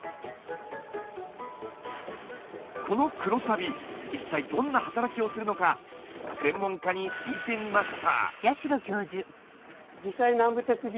この黒サビ一体どんな働きをするのか専門家に聞いてみました。